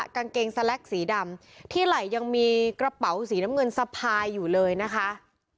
กางเกงสแล็กสีดำที่ไหล่ยังมีกระเป๋าสีน้ำเงินสะพายอยู่เลยนะคะ